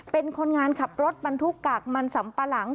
เป็นคนงานขับรถบรรทุกกากมันสำปะหลัง